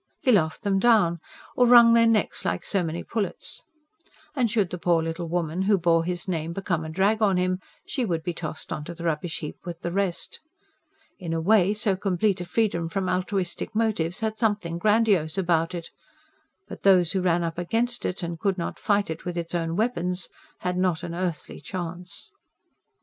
He laughed them down, or wrung their necks like so many pullets. And should the poor little woman who bore his name become a drag on him, she would be tossed on to the rubbish heap with the rest. In a way, so complete a freedom from altruistic motives had something grandiose about it. But those who ran up against it, and could not fight it with its own weapons, had not an earthly chance.